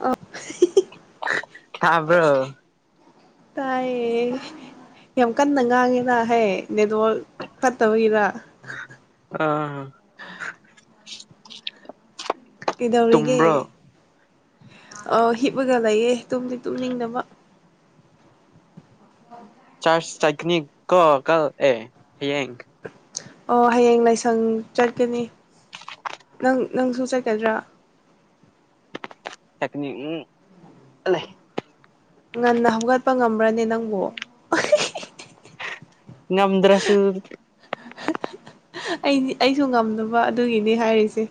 ꯑ ꯊꯥꯕ꯭ꯔꯣ ꯇꯌꯦ ꯌꯥꯝ ꯀꯟꯅ ꯉꯥꯡꯉꯤꯔ ꯍꯥꯏꯌꯦ ꯅꯦꯠꯋꯥꯜ ꯐꯠꯇꯕꯒꯤꯔ ꯑꯥ ꯀꯩꯗꯧꯔꯤꯒꯦ ꯑ ꯍꯤꯞꯄꯒ ꯂꯩꯌꯦ ꯇꯨꯝꯗꯤ ꯇꯨꯝꯅꯤꯡꯗꯅꯕ ꯆꯔ ꯇꯅꯤ ꯀꯣ ꯀ ꯑꯦ ꯍꯌꯦꯡ ꯑꯣ ꯍꯌꯦꯡ ꯂꯥꯏꯁꯪ ꯆꯠꯀꯅꯤ ꯅꯪ ꯅꯪꯁꯨ ꯆꯠꯀꯗ꯭ꯔꯥ ꯆꯀꯅꯤ ꯎꯝ ꯉꯟꯅ ꯍꯧꯒꯠꯄ ꯉꯝꯕ꯭ꯔꯅꯦ ꯅꯪꯕꯨ ꯗ꯭ꯔꯁꯨ ꯑꯩ ꯑꯩꯁꯨ ꯉꯝꯗꯅꯕ ꯑꯗꯨꯒꯤꯅꯤ ꯍꯥꯏꯔꯤꯁꯦ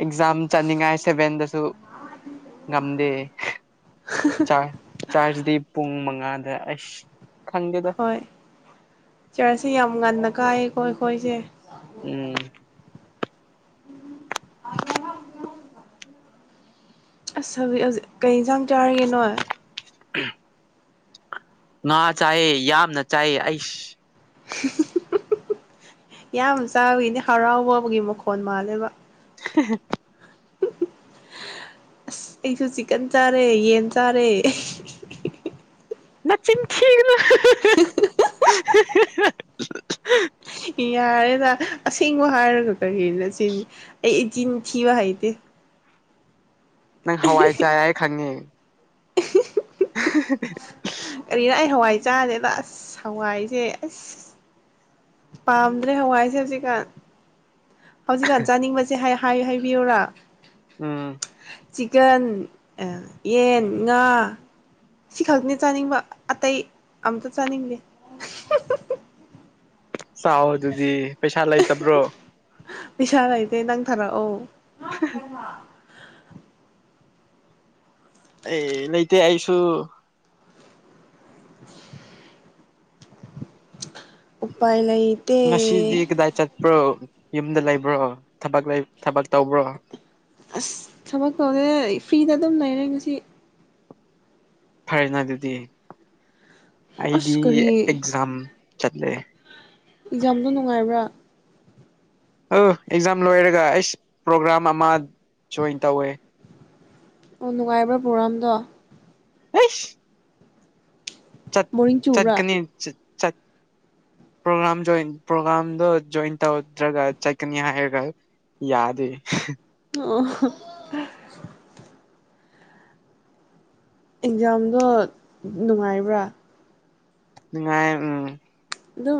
ꯑꯦꯛꯖꯥꯝ ꯆꯠꯅꯤꯡꯉꯥꯏ ꯁꯚꯦꯟꯗꯁꯨ ꯉꯝꯗꯦ ꯆꯥꯔꯖꯗꯤ ꯄꯨꯡ ꯃꯉꯥꯗ ꯑꯁ ꯈꯪꯒꯦꯗ ꯆꯔꯁꯤ ꯌꯥꯝ ꯉꯟꯅ ꯀꯥꯏꯌꯦ ꯈꯣꯏ ꯈꯣꯏꯁꯦ ꯎꯝ ꯑꯁ ꯍꯧꯖꯤꯛ ꯍꯧꯖꯤꯛ ꯀꯩ ꯌꯦꯟꯁꯥꯡ ꯆꯥꯔꯒꯦ ꯅꯣꯏ [inaudible] ꯉꯥ ꯆꯥꯏꯌꯦ ꯌꯥꯝꯅ ꯆꯥꯏꯌꯦ ꯑꯩꯁ ꯌꯥꯝ ꯆꯥꯕꯒꯤꯅꯦ ꯍꯔꯥꯎꯕꯒꯤ ꯃꯈꯣꯟ ꯃꯥꯜꯂꯦꯕ [unintelligible] ꯑꯁ ꯑꯩꯁꯨ ꯆꯤꯛꯀꯟ ꯆꯥꯔꯦ ꯌꯦꯟ ꯆꯥꯔꯦ ꯅꯆꯤꯟ ꯊꯤꯅꯨ ꯌꯥꯔꯦꯗ ꯑꯁꯦꯡꯕ ꯍꯥꯏꯔꯒ ꯀꯔꯤꯒꯤ ꯅꯆꯤꯟ ꯑꯩ ꯏꯆꯤꯟ ꯊꯤꯕ ꯍꯩꯇꯦ ꯅꯪ ꯍꯋꯥꯏ ꯆꯥꯏ ꯑꯩ ꯈꯪꯉꯦ [unintelligible] ꯀꯔꯤꯔ ꯑꯩ ꯍꯋꯥꯏ ꯆꯥꯥꯁꯦꯗ ꯑꯁ ꯍꯋꯥꯏꯁꯦ ꯑꯁ ꯄꯥꯝꯗ꯭ꯔꯦ ꯍꯋꯥꯏꯁꯦ ꯍꯧꯖꯤꯛꯀꯥꯟ ꯍꯧꯖꯤꯛꯀꯥꯟ ꯆꯥꯅꯤꯡꯕꯁꯦ ꯍꯥꯏꯌꯨ ꯍꯥꯏꯕꯤꯌꯨꯔꯥ ꯑꯝ ꯆꯤꯛꯀꯟ ꯌꯦꯟ ꯉꯥ ꯁꯤ ꯈꯛꯅꯤ ꯆꯥꯅꯤꯡꯕ ꯑꯇꯩ ꯑꯝꯇ ꯆꯥꯅꯤꯡꯗꯦ ꯆꯥꯎ ꯑꯗꯨꯗꯤ ꯄꯩꯁꯥ ꯂꯩꯇꯕ꯭ꯔꯣ ꯄꯩꯁꯥ ꯂꯩꯥꯏꯗꯦ ꯅꯪ ꯊꯥꯔꯛ ꯑꯣ ꯑꯩ ꯂꯩꯇꯦ ꯑꯩꯁꯨ ꯎꯄꯥꯏ ꯂꯩꯇꯦ ꯭ꯔꯣ ꯌꯨꯝꯗ ꯂꯩꯕ꯭ꯔꯣ ꯊꯕꯛ ꯊꯕꯛ ꯇꯧꯕ꯭ꯔꯣ ꯑꯁ ꯊꯕꯛ ꯇꯧꯗꯦ ꯐ꯭ꯔꯤꯗ ꯑꯗꯨꯝ ꯂꯩꯔꯦ ꯉꯁꯤ ꯐꯔꯦꯅꯦ ꯑꯗꯨꯗꯤ ꯑꯩꯗꯤ ꯑꯁ ꯀꯔꯤ ꯑꯦꯛꯖꯥꯝ ꯆꯠꯂꯦ ꯑꯦꯛꯖꯥꯝꯗꯣ ꯅꯨꯡꯉꯥꯏꯕ꯭ꯔꯥ ꯑ ꯑꯦꯛꯖꯥꯝ ꯂꯣꯏꯔꯒ ꯑꯩꯁ ꯄ꯭ꯔꯣꯒ꯭ꯔꯥꯝ ꯑꯃ ꯖꯣꯏꯟ ꯇꯧꯋꯦ ꯑꯣ ꯅꯨꯡꯉꯥꯏꯕ꯭ꯔꯥ ꯄ꯭ꯔꯣꯒꯥ꯭ꯔꯝꯗꯣ ꯍꯩꯁ ꯆꯠ ꯕꯣꯔꯤꯡ ꯆꯨꯕ꯭ꯔꯥ ꯆꯠꯀꯅꯤ ꯆꯠ ꯄ꯭ꯔꯣꯒ꯭ꯔꯥꯝ ꯖꯣꯏꯟ ꯄ꯭ꯔꯣꯒ꯭ꯔꯥꯝꯗꯣ ꯖꯣꯏꯟ ꯇꯧꯗ꯭ꯔꯒ ꯆꯥꯠꯀꯅꯤ ꯍꯥꯏꯔꯒ ꯌꯥꯗꯦ ꯑꯣ ꯑꯦꯛꯖꯥꯝꯗꯣ ꯅꯨꯡꯉꯥꯏꯕ꯭ꯔꯥ ꯅꯨꯡꯉꯥꯏ ꯎꯝ ꯑꯗꯨꯝ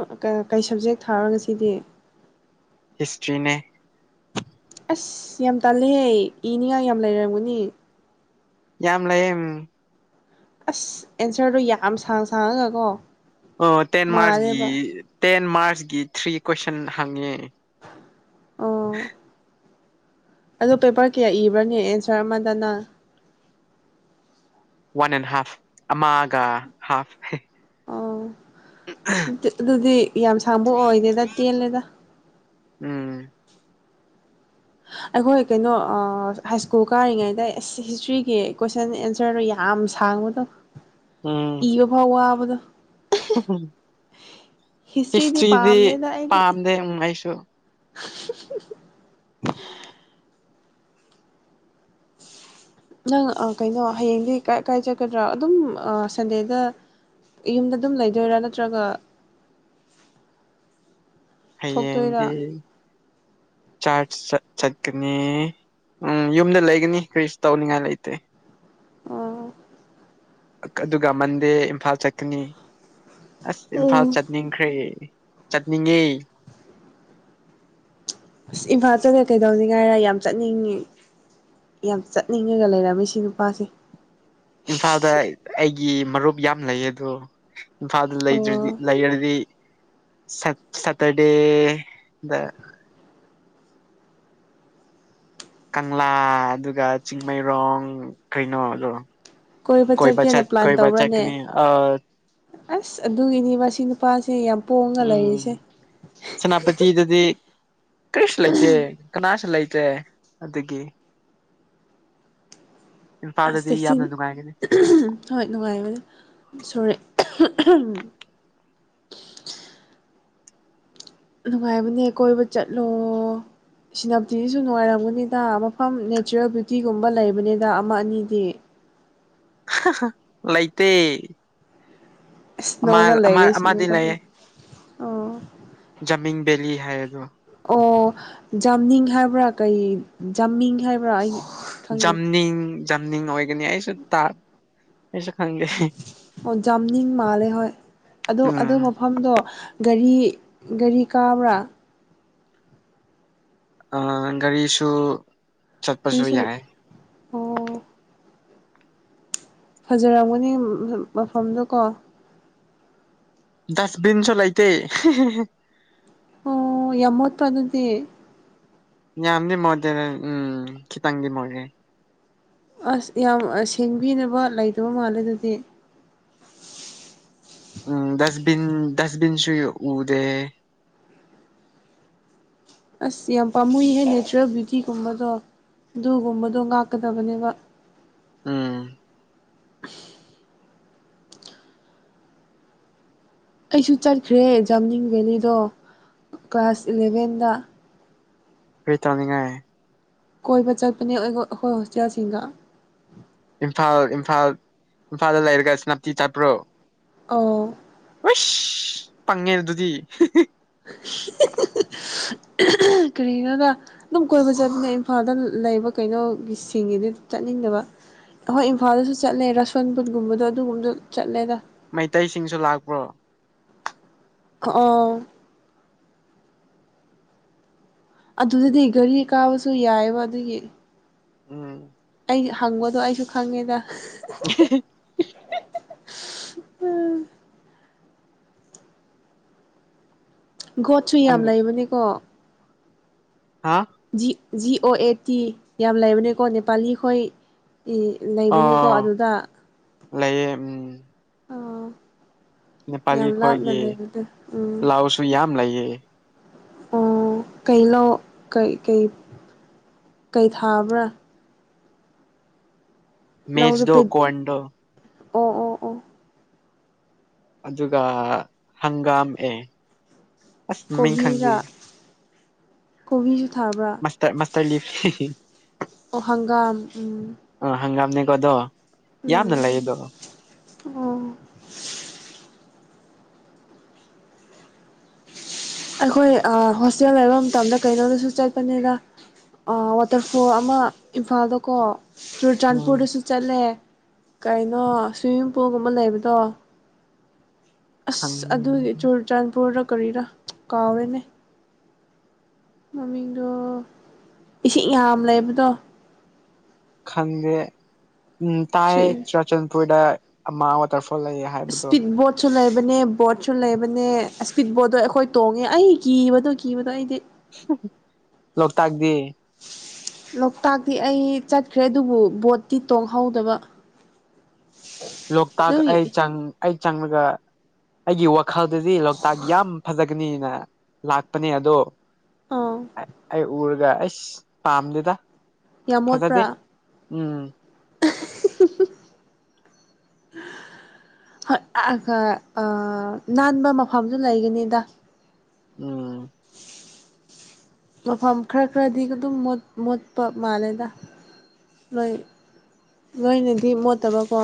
ꯀꯩ ꯁꯕꯖꯦꯛ ꯊꯥꯔꯒ ꯁꯤꯗꯤ ꯍꯤꯁꯇ꯭ꯔꯤꯅꯦ ꯑꯁ ꯌꯥꯝ ꯇꯥꯜꯂꯍꯦ ꯏꯅꯤꯉꯥꯏ ꯌꯥꯝ ꯂꯩꯔꯝꯒꯅꯤ ꯌꯥꯝ ꯂꯩꯌꯦ ꯎꯝ ꯑꯁ ꯑꯦꯟꯁꯔꯗꯨꯣ ꯌꯥꯝ ꯁꯥꯡ ꯁꯥꯡꯉꯒ ꯀꯣ ꯑꯣ ꯇꯦꯟ ꯃꯥꯔꯁꯀꯤ ꯇꯦꯟ ꯃꯥꯔꯁꯀꯤ ꯊ꯭ꯔꯤ ꯀꯣꯏꯁꯟ ꯍꯪꯉꯦ [inaudible] ꯑꯗ ꯄꯦꯄꯔ ꯀꯌꯥ ꯏꯕ꯭ꯔꯅꯦ ꯑꯦꯟꯁꯔ ꯑꯃꯗꯅ ꯋꯥꯟ ꯑꯦꯟ ꯍꯥꯐ ꯑꯃꯒ ꯍꯥꯐ ꯑꯣ ꯑꯗꯨꯗꯤ ꯌꯥꯝ ꯁꯥꯡꯕ ꯑꯣꯏꯗꯦꯗ ꯇꯦꯜꯂꯦꯗ ꯎꯝ ꯑꯩꯈꯣꯏ ꯀꯩꯅꯣ ꯍꯥꯏ ꯁ꯭ꯀꯨꯜ ꯀꯥꯔꯤꯉꯩꯗ ꯑꯁ ꯍꯤꯁꯇ꯭ꯔꯤꯒꯤ ꯀꯣꯏꯁꯟ ꯑꯦꯟꯁꯔꯗ ꯌꯥ ꯌꯥꯝ ꯁꯥꯡꯕꯗꯣ ꯎꯝ ꯏꯕ ꯐꯥꯎ ꯋꯥꯕꯗꯣ ꯍꯤꯁꯇ꯭ꯔꯤꯗꯤ ꯄꯥꯝꯗꯦꯗ ꯑꯩꯗꯤ ꯄꯥꯝꯗꯦ ꯑꯩꯁꯨ [unintelligible] [unintelligible] ꯅꯪ ꯀꯩꯅꯣ ꯍꯌꯦꯡꯗꯤ ꯀꯥꯏ ꯀꯥꯏꯖꯒꯗ꯭ꯔꯥ ꯑꯗꯨꯝ ꯁꯟꯗꯦꯗ ꯌꯨꯝꯗ ꯑꯗꯨꯝ ꯂꯩꯗꯣꯏꯔꯥ ꯅꯠꯇ꯭ꯔꯒ ꯊꯣꯛꯇꯣꯏꯔꯥ ꯍꯌꯦꯡꯗꯤ ꯆꯥꯔ ꯆꯠꯀꯅꯤ ꯎꯝ ꯌꯨꯝꯗ ꯂꯩꯒꯅꯤ ꯀꯔꯤꯁꯨ ꯇꯧꯅꯤꯡꯉꯥꯏ ꯂꯩꯇꯦ ꯑꯣ ꯑꯗꯨꯒ ꯃꯟꯗꯦ ꯏꯝꯐꯥꯜ ꯆꯠꯀꯅꯤ ꯑꯁ ꯏꯝꯐꯥꯜ ꯎꯝ ꯆꯠꯅꯤꯡꯈ꯭ꯔꯦ ꯆꯠꯅꯤꯡꯒꯤ ꯏꯐꯥꯖꯗ ꯀꯩꯗꯧꯁꯤꯉꯥꯏꯔ ꯌꯥꯝ ꯆꯠꯅꯤꯡꯉꯤ ꯌꯥꯝ ꯆꯠꯅꯤꯡꯉꯒ ꯂꯩꯔꯝꯃꯤ ꯁꯤ ꯅꯨꯄꯥꯁꯦ ꯏꯝꯐꯥꯜꯗ ꯑꯩꯒꯤ ꯃꯔꯨꯞ ꯌꯥꯝ ꯂꯩ ꯑꯗꯣ ꯏꯝꯐꯥꯗꯨ ꯂꯩꯗ꯭ꯔꯗꯤ ꯑꯣ ꯂꯩꯔꯗꯤ ꯁꯇꯔꯗꯦ ꯗ ꯀꯪꯂꯥ ꯑꯗꯨꯒ ꯆꯤꯡꯃꯩꯔꯣꯡ ꯀꯩꯅꯣꯗꯣ ꯀꯣꯏꯕ ꯆꯠꯀꯦꯅ ꯀꯣꯏꯕꯆꯠ ꯄ꯭ꯂꯥꯟ ꯀꯣꯏ ꯇꯧꯕ꯭ꯔꯅꯦ ꯆꯠꯅꯤ ꯑ ꯑꯁ ꯑꯗꯨꯒꯤꯅꯤ ꯃꯁꯤ ꯅꯨꯄꯥꯁꯦ ꯌꯥꯝ ꯄꯣꯡꯉ ꯂꯩꯔꯤꯁꯦ ꯎꯝ ꯁꯦꯅꯥꯄꯇꯤꯗꯗꯤ ꯀ꯭ꯔꯤꯁ ꯂꯩꯇꯦ ꯀꯅꯥ ꯂꯩꯇꯦ ꯑꯗꯨꯗꯒꯤ ꯑꯁ ꯆꯦꯛꯁꯤꯟ ꯍꯣꯏ ꯅꯨꯡꯉꯥꯏꯕꯅꯤ ꯁꯣꯔꯦ ꯎꯝ ꯅꯨꯡꯉꯥꯏꯕꯅꯦ ꯀꯣꯏꯕ ꯆꯠꯂꯣ ꯁꯤꯅꯞꯇꯤꯁꯤꯁꯨ ꯅꯨꯡꯉꯥꯏꯔꯝꯒꯅꯤꯗ ꯃꯐꯝ ꯅꯦꯆꯔꯦꯜ ꯕ꯭ꯌꯨꯇꯤꯒꯨꯝꯕ ꯂꯩꯕꯅꯤꯗ ꯑꯃ ꯑꯅꯤꯗꯤ ꯍꯥ ꯍꯥ ꯂꯩꯇꯦ ꯑꯃ ꯏꯁꯅꯣꯒ ꯑꯃ ꯂꯩꯔꯦ ꯁꯤ ꯑꯃꯗꯤ ꯂꯩꯌꯦ ꯅꯨꯄꯥꯁꯦ ꯑꯣ ꯖꯃꯤꯡ ꯕꯦꯂꯤ ꯍꯥꯏ ꯑꯗꯣ ꯑꯣ ꯖꯝꯅꯤꯡ ꯍꯥꯏꯕ꯭ꯔꯥ ꯀꯩ ꯖꯝꯃꯤꯡ ꯍꯥꯏꯕ꯭ꯔꯥ ꯑꯩ ꯈꯪꯗꯦ ꯖꯝꯅꯤꯡ ꯖꯝꯅꯤꯡ ꯑꯣꯏꯒꯅꯤ ꯑꯩꯁꯨ ꯇꯥ ꯑꯩꯁꯨ ꯈꯪꯗꯦ ꯑꯣ ꯖꯥꯝꯅꯤꯡ ꯃꯥꯜꯂꯦ ꯍꯣꯏ ꯑꯗꯨ ꯑꯗꯨ ꯎꯝ ꯃꯐꯝꯗꯣ ꯒꯔꯤ ꯒꯔꯤ ꯀꯥꯕ꯭ꯔꯥ ꯑꯥ ꯒꯥꯔꯤꯁꯨ ꯆꯠꯄꯁꯨ ꯀꯔꯤꯁꯨ ꯌꯥꯏ ꯑꯣ ꯐꯖꯔꯝꯒꯅꯤ ꯎꯝ ꯃꯐꯝꯗꯨ ꯀꯣ ꯗꯥꯁꯕꯤꯟꯁꯨ ꯂꯩꯇꯦ ꯑꯣ ꯌꯥꯝ ꯃꯣꯠꯄ ꯑꯗꯨꯗꯤ ꯌꯥꯝꯗꯤ ꯃꯣꯇꯦꯗ ꯎꯝ ꯈꯤꯇꯪꯗꯤ ꯃꯣꯠꯂꯦ ꯑꯁ ꯌꯥꯝ ꯑꯁ ꯁꯦꯡꯕꯤꯅꯕ ꯂꯩꯇꯕ ꯃꯥꯜꯂꯦ ꯑꯗꯨꯗꯤ ꯎꯝ ꯗꯁꯕꯤꯟ ꯗꯁꯕꯤꯟ ꯁꯨꯏ ꯎꯗꯦ [inaudible] ꯑꯁ ꯌꯥꯝ ꯄꯥꯝꯃꯨꯏꯍꯦ ꯅꯦꯆꯔꯦꯜ ꯕ꯭ꯌꯨꯇꯤꯒꯨꯝꯕꯗꯣ ꯑꯗꯨꯒꯨꯝꯕꯗꯣ ꯉꯥꯛꯀꯗꯕꯅꯦꯕ ꯎꯝ ꯑꯩꯁꯨ ꯆꯠꯈ꯭ꯔꯦ ꯖꯝꯅꯤꯡ ꯚꯦꯂꯤꯗꯣ ꯀ꯭ꯂꯥꯁ ꯏꯂꯚꯦꯟꯗ ꯀ꯭ꯔꯤ ꯇꯧꯅꯤꯡꯉꯥꯏ ꯀꯣꯏꯕ ꯆꯠꯄꯅꯦ ꯑꯩꯒ ꯑꯩꯈꯣꯏ ꯍꯣꯁꯇꯦꯜꯁꯤꯡꯒ ꯏꯝꯐꯥꯜ ꯏꯝꯐꯥꯜ ꯏꯝꯐꯥꯜꯗ ꯂꯩꯔꯒ ꯁꯦꯅꯥꯞꯇꯤ ꯆꯠꯄ꯭ꯔꯣ ꯑꯣ ꯑꯥꯏꯁ ꯄꯪꯉꯦ ꯑꯗꯨꯗꯤ ꯍꯤ ꯍꯤ ꯎꯍ ꯎꯍ ꯀꯔꯤꯒꯤꯅꯣꯗ ꯑꯗꯨꯝ ꯀꯣꯏꯕ ꯆꯠꯄꯅꯦ ꯏꯝꯐꯥꯜꯗ ꯂꯩꯕ ꯀꯩꯅꯣꯒꯤꯁꯤꯡꯒꯤꯗꯤ ꯆꯠꯅꯤꯡꯗꯕ ꯑꯍꯣꯏ ꯏꯝꯐꯥꯜꯗꯁꯨ ꯆꯠꯂꯦ ꯔꯁꯣꯟꯄꯨꯠꯒꯨꯝꯕꯗꯣ ꯑꯗꯨꯒꯨꯝꯕꯗꯣ ꯆꯠꯂꯦꯗ ꯃꯩꯇꯩꯁꯤꯡꯁꯨ ꯂꯥꯛꯄ꯭ꯔꯣ ꯈ ꯑꯣꯡ ꯑꯗꯨꯗꯗꯤ ꯒꯥꯔꯤ ꯀꯥꯕꯁꯨ ꯌꯥꯏꯑꯕ ꯑꯗꯨꯒꯤ ꯎꯝ ꯑꯩ ꯍꯪꯕꯗꯣ ꯑꯩꯁꯨ ꯈꯪꯉꯦꯗ ꯁꯍꯍ ꯎꯪ ꯒꯣꯠ ꯁꯨ ꯌꯥꯝ ꯂꯩꯕꯅꯦꯀꯣ ꯍꯥꯥ ꯖꯤ ꯑꯣ ꯑꯦ ꯇꯤ ꯌꯥꯝ ꯂꯩꯕꯅꯤꯀꯣ ꯅꯦꯄꯥꯂꯤꯈꯣꯏ ꯇꯤ ꯂꯩꯕꯅꯦꯀꯣ ꯑꯣ ꯑꯗꯨꯗ ꯂꯩꯌꯦ ꯎꯝ ꯅꯦꯄꯥꯂꯤ ꯌꯥꯝ ꯂꯥꯞꯅ ꯈꯣꯏꯒꯤ ꯂꯩꯕꯗꯣ ꯎꯝ ꯄ꯭ꯂꯥꯎꯁꯨ ꯌꯥꯝ ꯂꯩꯌꯦ ꯑꯣ ꯀꯩ ꯂꯣ ꯀꯩ ꯀꯩ ꯀꯩ ꯊꯥꯕ꯭ꯔꯥ ꯃꯦꯖ ꯂꯧꯗꯣ ꯄꯦ ꯗꯣ ꯀꯣꯔꯟꯗꯣ ꯑꯣ ꯑꯣ ꯑꯣ ꯑꯗꯨꯒ ꯍꯪꯒꯥꯝ ꯑꯦ ꯑꯁ ꯃꯃꯤꯡ ꯈꯪꯗꯦ ꯀꯣꯕꯤꯖꯨ ꯊꯥꯕ꯭ꯔꯥ ꯃꯁꯇꯔ ꯃꯁꯇꯔ ꯂꯤꯞ ꯑꯣ ꯍꯪꯒꯥꯝ ꯎꯝ ꯑ ꯍꯪꯒꯥꯝꯅꯦꯀꯣ ꯑꯗꯣ ꯎꯝ ꯌꯥꯝꯅ ꯂꯩꯌꯦꯗꯣ ꯑꯣ ꯑꯩꯈꯣꯏ ꯑ ꯍꯣꯁꯇꯦꯜ ꯂꯩꯕ ꯃꯇꯝꯗ ꯀꯩꯅꯣꯗꯁꯨ ꯆꯠꯄꯅꯤꯗ ꯑ ꯋꯥꯇꯔꯐꯣꯜ ꯑꯃ ꯏꯝꯐꯥꯜꯗꯀꯣ ꯎꯝ ꯆꯨꯔꯆꯥꯟꯄꯨꯔꯗꯁꯨ ꯆꯠꯂꯦ ꯀꯩꯅꯣ ꯁ꯭ꯋꯤꯃꯤꯡ ꯄꯨꯜꯒꯨꯝꯕ ꯂꯩꯕꯗꯣ ꯈꯪ ꯑꯁ ꯑꯗꯨꯒꯤ ꯆꯨꯔꯆꯥꯟꯄꯨꯔꯔ ꯀꯔꯤꯔ ꯀꯥꯎꯔꯦꯅꯦ ꯃꯃꯤꯡꯗꯣ ꯏꯁꯤꯡ ꯌꯥꯝ ꯂꯩꯕꯗꯣ ꯈꯪꯗꯦ ꯎꯝ ꯇꯥꯏ ꯏꯁꯄꯤꯠ ꯆꯨꯔꯆꯥꯟꯄꯨꯔꯗ ꯑꯃ ꯋꯥꯇꯔ ꯐꯣꯜ ꯂꯩ ꯍꯥꯏꯕꯗꯣ ꯁꯨ ꯂꯩꯕꯅꯦ ꯕꯣꯔꯠꯁꯨ ꯂꯩꯕꯅꯦ ꯏꯁꯄꯤꯠ ꯕꯣꯔꯠꯇꯣ ꯑꯩꯈꯣꯏ ꯇꯣꯡꯉꯦ ꯑꯩ ꯀꯤꯕꯗꯣ ꯀꯤꯕꯗꯣ ꯑꯩꯗꯤ ꯂꯣꯛꯇꯥꯛꯗꯤ ꯂꯣꯛꯇꯥꯛꯇꯤ ꯑꯩ ꯆꯠꯈ꯭ꯔꯦ ꯑꯗꯨꯕꯨ ꯕꯣꯠꯇꯤ ꯇꯣꯡꯍꯧꯗꯕ ꯂꯣꯛꯇꯥꯛ ꯑꯗꯨꯒꯤ ꯑꯩ ꯆ ꯑꯩ ꯆꯪꯉꯒ ꯑꯩꯒꯤ ꯈꯜꯗꯗꯤ ꯂꯣꯛꯇꯥꯛ ꯌꯥꯝ ꯐꯖꯒꯅꯤꯅ ꯂꯥꯛꯄꯅꯦ ꯑꯗꯣ ꯑꯥ ꯑꯩ ꯎꯔꯒ ꯑꯩꯁ ꯄꯥꯝꯗꯦꯗ ꯌꯥꯝ ꯐꯖꯗꯦ ꯃꯣꯠꯄ꯭ꯔꯥ ꯎꯝ [unintelligible] [unintelligible] ꯍꯣꯏ ꯅꯥꯟꯕ ꯃꯐꯝꯁꯨ ꯂꯩꯒꯅꯤꯗ ꯎꯝ ꯃꯐꯝ ꯈꯔ ꯈꯔꯗꯤ ꯑꯗꯨꯝ ꯃꯣꯠꯄ ꯃꯥꯜꯂꯦꯗ ꯅꯣꯏ ꯅꯣꯏꯅꯗꯤ ꯃꯣꯠꯇꯕꯀꯣ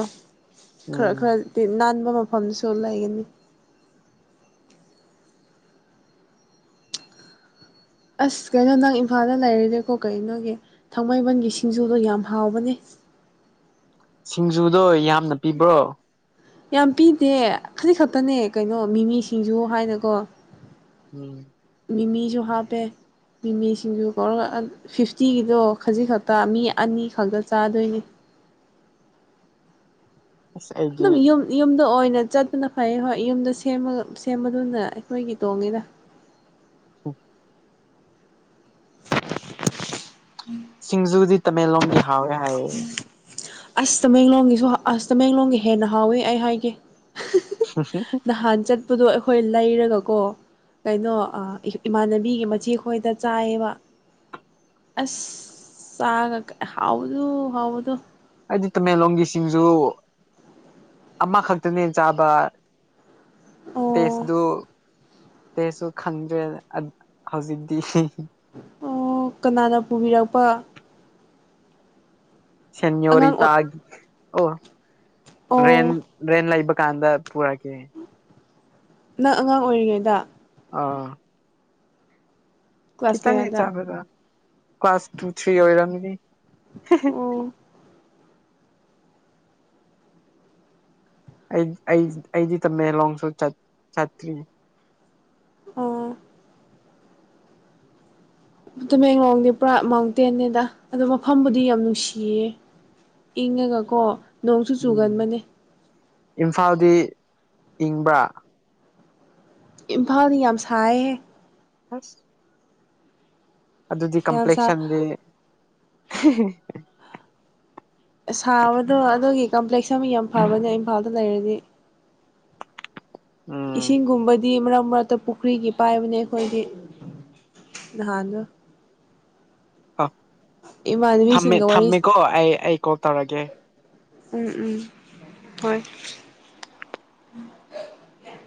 ꯈꯔ ꯎꯝ ꯈꯔꯗꯤ ꯅꯥꯟꯕ ꯃꯐꯝꯁꯨ ꯂꯩꯒꯅꯤ ꯑꯁ ꯀꯩꯅꯣ ꯅꯪ ꯏꯝꯐꯥꯜꯗ ꯂꯩꯔꯤꯔꯦꯀꯣ ꯀꯩꯅꯣꯒꯤ ꯊꯥꯡꯃꯩꯕꯟꯒꯤ ꯁꯤꯡꯖꯨꯗꯣ ꯌꯥꯝ ꯍꯥꯎꯕꯅꯦ ꯁꯤꯡꯖꯨꯗꯣ ꯌꯥꯝꯅ ꯄꯤꯕ꯭ꯔꯣ ꯌꯥꯝ ꯄꯤꯗꯦ ꯍꯧꯖꯤꯛ ꯈꯛꯇꯅꯦ ꯀꯩꯅꯣ ꯃꯤꯃꯤꯁꯤꯡꯁꯨ ꯍꯥꯏꯅꯀꯣ ꯎꯝ ꯃꯤꯃꯤ ꯖꯣꯍꯥꯕꯦ ꯃꯤꯃꯤꯁꯤꯡꯗꯨ ꯀꯧꯔꯒ ꯐꯤꯐꯇꯤꯒꯤꯗꯣ ꯈꯖꯤꯛ ꯈꯛꯇ ꯃꯤ ꯑꯅꯤ ꯈꯛꯇ ꯆꯥꯗꯣꯏꯅꯦ [unintelligible] ꯒꯤ ꯗ ꯑꯣꯏꯅ ꯆꯠꯇꯅ ꯐꯩ ꯍꯣꯏ ꯌꯨꯝꯗ ꯁꯦꯝꯕꯗꯨꯅ ꯑꯩꯈꯣꯏꯒꯤ ꯇꯣꯡꯉꯤꯗ [unintelligible] ꯁꯤꯡꯖꯨꯗꯤ ꯇꯃꯦꯡꯂꯣꯡꯒꯤ ꯍꯥꯎꯋꯦ ꯍꯥꯏꯌꯦ ꯑꯁ ꯇꯃꯦꯡꯂꯣꯡꯒꯤꯁꯨ ꯑꯁ ꯇꯃꯦꯡꯂꯣꯡꯒꯤ ꯍꯦꯟꯅ ꯍꯥꯎꯋꯦ ꯑꯩ ꯍꯥꯏꯒꯦ ꯅꯍꯥꯟ ꯆꯠꯄꯗꯣ ꯑꯩꯈꯣꯏ ꯂꯩꯔꯒꯀꯣ ꯀꯩꯅꯣ ꯏꯃꯥꯟꯅꯕꯤꯒꯤ ꯃꯆꯦ ꯈꯣꯏꯗ ꯆꯥꯏꯌꯦꯕ ꯑꯁ ꯆ ꯍꯥꯎꯗꯨ ꯍꯥꯎꯗꯨ ꯍꯥꯏꯗꯤ ꯇꯃꯦꯡꯂꯣꯡꯒꯤ ꯁꯤꯡꯖ ꯑꯃꯈꯛꯇꯅꯦ ꯆꯥꯕ ꯑꯣ ꯇꯦꯁꯗꯨ ꯇꯦꯁꯨ ꯈꯟꯗ꯭ꯔꯦ ꯍꯧꯖꯤꯛꯇꯤ ꯑꯣ ꯀꯅꯥꯅ ꯄꯨꯕꯤꯔꯛꯄ ꯁꯅ ꯌꯣꯔꯤ ꯑꯉꯥꯡ ꯇꯒꯤ ꯑꯣ ꯔꯦꯟꯟ ꯑꯣ ꯔ꯭ꯔꯦꯟꯟ ꯂꯥꯏꯕ ꯀꯥꯟꯗꯥ ꯄꯨꯔ ꯀ ꯅꯪ ꯑꯉꯥꯡ ꯑꯣꯏꯔꯤꯉꯩꯗ ꯑꯥ ꯀ꯭ꯂꯥꯁ ꯈꯤꯇꯪꯅꯦ ꯀꯌꯥꯗ ꯆꯥꯕꯗ ꯀ꯭ꯂꯥꯁ ꯇꯨ ꯊ꯭ꯔꯤ ꯑꯣꯏꯔꯝꯅꯤꯅꯤ ꯎꯝ ꯑꯩ ꯑꯩꯗꯤ ꯇꯃꯦꯡꯂꯣꯡꯁꯨ ꯆꯠꯇ꯭ꯔꯤ ꯑꯣ ꯇꯃꯦꯡꯂꯣꯡꯗꯤ ꯄꯨꯔꯥ ꯃꯥꯎꯟꯇꯦꯟꯅꯦꯗ ꯑꯗꯣ ꯃꯐꯝꯕꯨꯗꯤ ꯌꯥꯝ ꯅꯨꯡꯁꯤꯌꯦ ꯏꯪꯉꯒ ꯀꯣ ꯅꯣꯡꯁꯨ ꯎꯝ ꯆꯨꯒꯟꯕꯅꯦ ꯏꯝꯐꯥꯜꯗꯤ ꯏꯪꯕ꯭ꯔꯥ ꯏꯐꯥ ꯌꯥꯝꯁꯥꯑꯦ ꯑꯁ ꯑꯗꯨꯗꯤ ꯌꯥꯝ ꯁꯥ ꯀꯝꯄ꯭ꯂꯦꯛꯁꯟꯗꯤ ꯁꯥꯕꯗꯣ ꯑꯗꯨꯒꯤ ꯀꯝꯄ꯭ꯂꯦꯛꯁ ꯑꯃ ꯌꯥꯝ ꯐꯕꯅꯦ ꯏꯝꯐꯥꯜꯗ ꯂꯩꯔꯗꯤ ꯎꯝ ꯏꯁꯤꯡꯒꯨꯝꯕꯗꯤ ꯃ ꯃꯔꯛꯇ ꯄꯨꯈ꯭ꯔꯤꯒꯤ ꯄꯥꯏꯕꯅꯦ ꯑꯩꯈꯣꯏꯗꯤ ꯅꯍꯥꯟꯗꯣ ꯑ ꯊꯝꯃꯦ ꯏꯃꯥꯟꯅꯕꯤꯁꯤꯡꯒ ꯋꯥꯔꯤ ꯊꯝꯃꯦꯀꯣ ꯑꯩ ꯑꯩ ꯀꯣꯜ ꯇꯧꯔꯒꯦ ꯎꯝ ꯎꯝ ꯍꯣꯏ